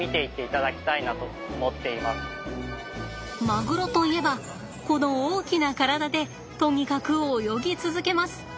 マグロといえばこの大きな体でとにかく泳ぎ続けます。